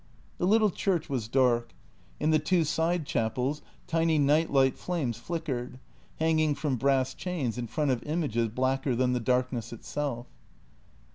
The little church was dark; in the two side chapels tiny nightlight flames flickered, hanging from brass chains in front of images blacker than the darkness itself.